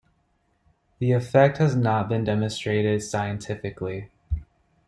The effect has not been demonstrated scientifically.